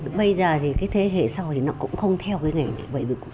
còn đây là nghệ nhân nguyễn mạnh hùng phường khương đình thanh xuân hà nội